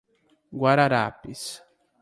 Guararapes